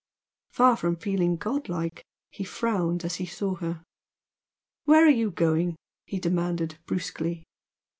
Far from feeling god like, he frowned as he saw her. "Where are you going?" he demanded, brusquely.